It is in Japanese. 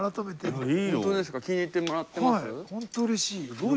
本当うれしい。